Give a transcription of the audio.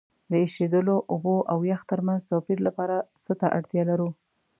د ایشیدلو اوبو او یخ ترمنځ توپیر لپاره څه ته اړتیا لرو؟